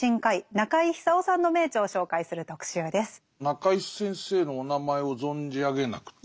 中井先生のお名前を存じ上げなくて。